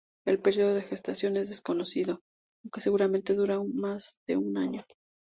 El período de gestación es desconocido, aunque seguramente dura más de un año.